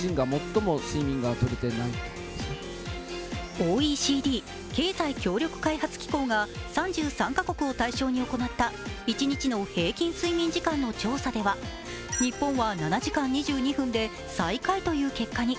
ＯＥＣＤ＝経済協力開発機構が３３か国を対象に行った一日の平均睡眠時間の調査では日本は７時間２２分で、最下位という結果に。